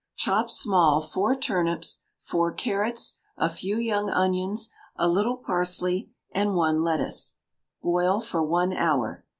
Chop small, four turnips, four carrots, a few young onions, a little parsley, and one lettuce; boil for one hour.